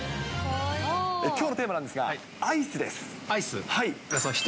きょうのテーマなんですが、アイスです。